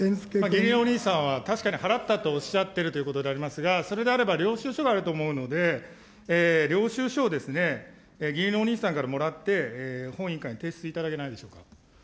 義理のお兄さんは確かに払ったとおっしゃっているということでありますが、それであれば、領収書があると思うので、領収書を義理のお兄さんからもらって、本委員会に提出いただけないでしょうか。